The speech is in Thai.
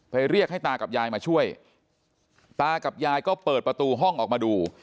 เรียกให้ตากับยายมาช่วยตากับยายก็เปิดประตูห้องออกมาดู